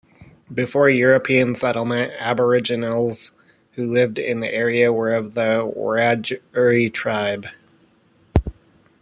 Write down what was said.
Before European settlement, Aboriginals who lived in the area were of the Wiradjuri tribe.